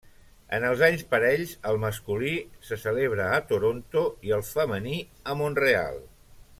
En els anys parells, el masculí se celebra a Toronto i el femení a Mont-real.